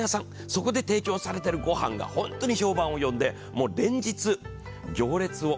そこで提供されているごはんが本当に評判を生んで、連日行列を。